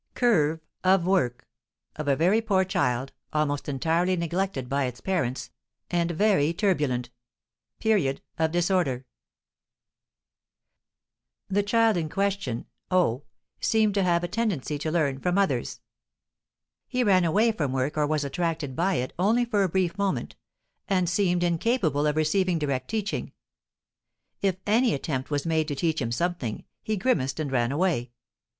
CURVE OF WORK OF A VERY POOR CHILD, ALMOST ENTIRELY NEGLECTED BY ITS PARENTS, AND VERY TURBULENT [Illustration: Period of Disorder] The child in question (O) seemed to have a tendency to learn from others; he ran away from work or was attracted by it only for a brief moment; and seemed incapable of receiving direct teaching. If any attempt was made to teach him something, he grimaced and ran away.